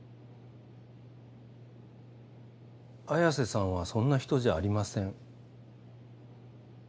綾瀬さんはそんな人じゃありません。